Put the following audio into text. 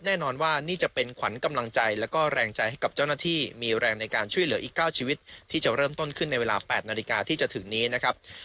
แน่นอนว่านี่จะเป็นขวัญกำลังใจแล้วก็แรงใจให้กับเจ้าหน้าที่มีแรงในการช่วยเหลืออีก๙ชีวิตที่จะเริ่มต้นขึ้นในเวลา๘นาฬิกาที่จะถึงนี้นะครับ